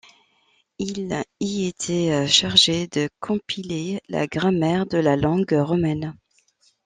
Il y était chargé de compiler la grammaire de la langue roumaine.